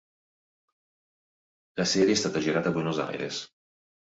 La serie è stata girata a Buenos Aires.